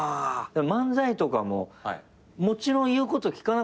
漫才とかももちろん言うこと聞かなかったでしょ？